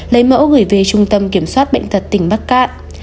lấy mẫu gửi về trung tâm kiểm soát bệnh tật tỉnh bắc cạn